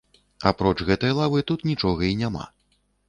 Апроч гэтай лавы, тут нічога і няма.